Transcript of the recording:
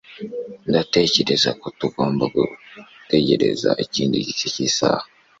Ndatekereza ko tugomba gutegereza ikindi gice cy'isaha. .